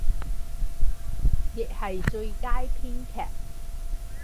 亦係最佳編劇